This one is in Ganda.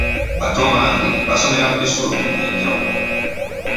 Bato bange basomera mu bisulo eby'enjawulo.